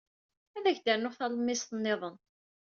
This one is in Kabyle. Ad ak-d-rnuɣ talemmiẓt niḍen.